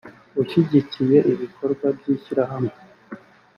ushyigikiye ibikorwa by ishyirahamwe